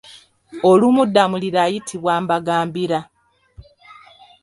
Olumu Ddamula ayitibwa Mbagambira.